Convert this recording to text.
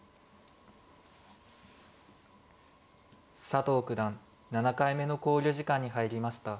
佐藤九段７回目の考慮時間に入りました。